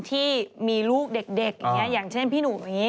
ที่มีลูกเด็กอย่างเช่นพี่หนูอย่างนี้